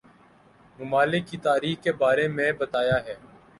ممالک کی تاریخ کے بارے میں بتایا ہے